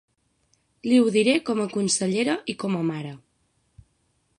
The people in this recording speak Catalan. Li ho diré com a consellera i com a mare.